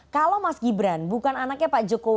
kalau mas gibran bukan anaknya pak jokowi